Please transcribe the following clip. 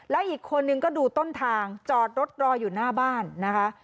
และอีกคนนึงก็ดูต้นทางจอดรถรออยู่หน้าบ้านนะคะ